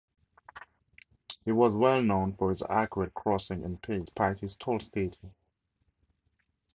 He was well known for his accurate crossing and pace, despite his tall stature.